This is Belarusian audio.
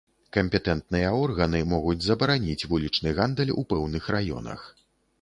Кампетэнтныя органы могуць забараніць вулічны гандаль у пэўных раёнах.